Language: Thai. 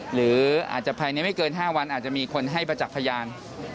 หรืออาจจะภายในไม่เกิน๕วันอาจจะมีคนให้ประจักษ์พยาน